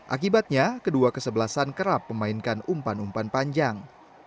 akibatnya kedua kesebelasan kerap memainkan umpan umpan panjang